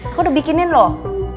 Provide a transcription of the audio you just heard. aku udah bikinin loh